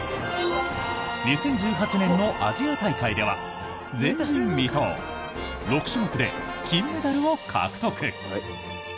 ２０１８年のアジア大会では前人未到６種目で金メダルを獲得。